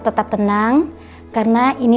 tetap tenang karena ini